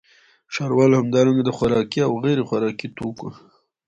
ښاروال همدارنګه د خوراکي او غیرخوراکي توکو